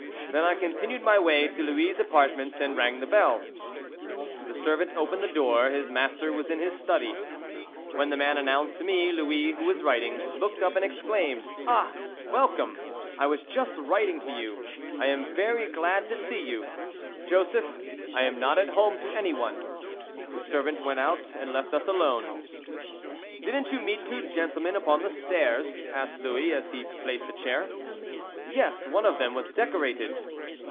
Then I continued my way to Louis' apartments and rang the bell. The servant opened the door. His master was in his study. When the man announced me, Louis, who was writing, looked up and exclaimed "Ah, welcome! I was just writing to you. I am very glad to see you. Joseph, I am not at home to any one." The servant went out and left us alone. "Didn't you meet two gentlemen upon the stairs?" asked Louis, as he placed a chair. "Yes, one of them was decorated."